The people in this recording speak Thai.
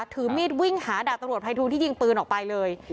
ถือมีดวิ่งหาดาบตำรวจภัยทูลที่ยิงปืนออกไปเลย